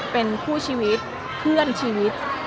เป็นคู่ชีวิตเพื่อนชีวิต